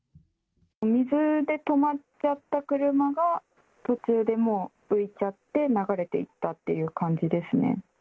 水で止まっちゃった車が、途中でもう浮いちゃって、流れていったっていう感じですね。